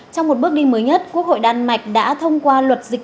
trong một bước đi mới nhất quốc hội đan mạch đã thông qua luật dịch